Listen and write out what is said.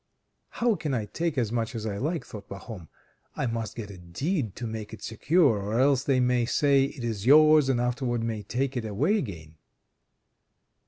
"How can I take as much as I like?" thought Pahom. "I must get a deed to make it secure, or else they may say, 'It is yours,' and afterwards may take it away again."